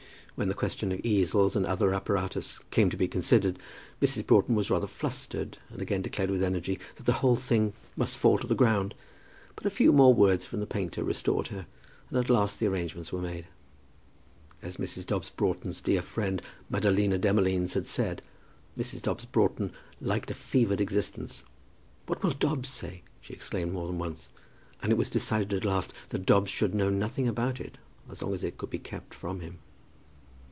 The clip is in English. When the question of easels and other apparatus came to be considered Mrs. Broughton was rather flustered, and again declared with energy that the whole thing must fall to the ground; but a few more words from the painter restored her, and at last the arrangements were made. As Mrs. Dobbs Broughton's dear friend, Madalina Demolines had said, Mrs. Dobbs Broughton liked a fevered existence. "What will Dobbs say?" she exclaimed more than once. And it was decided at last that Dobbs should know nothing about it as long as it could be kept from him.